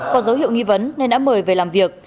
có dấu hiệu nghi vấn nên đã mời về làm việc